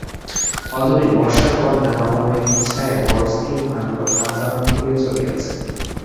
অদূরে বর্ষার পদ্মা নবমেঘচ্ছায়ায় বড়ো স্থির ভয়ংকর ভাব ধারণ করিয়া চলিয়াছে।